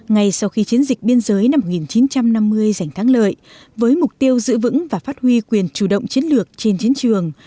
ngay sau khi chiến dịch biên giới năm một nghìn chín trăm năm mươi giành thắng lợi với mục tiêu giữ vững và phát huy quyền chủ động chiến lược trên chiến trường